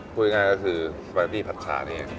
พูดง่ายก็คือสปาเก็ตตี้ผัดชานี่เนี่ย